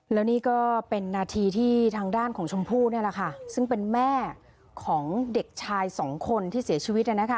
แล้วนี่ก็เป็นนาทีที่ทางด้านของชมพู่นี่แหละค่ะซึ่งเป็นแม่ของเด็กชายสองคนที่เสียชีวิต